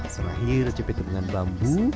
terakhir cepit dengan bambu